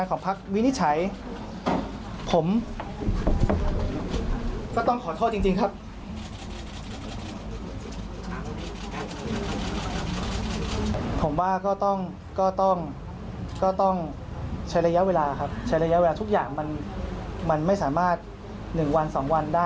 ลองฟังเขาดูนะฮะ